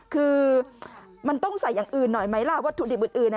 คือมันต้องใส่อย่างอื่นหน่อยไหมล่ะวัตถุดิบอื่น